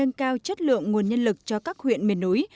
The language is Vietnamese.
nâng cao chất lượng nguồn nhân lực cho các huyện miền núi